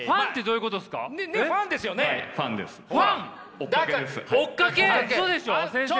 うそでしょ！？